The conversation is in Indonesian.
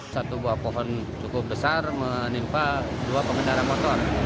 satu buah pohon cukup besar menimpa dua pengendara motor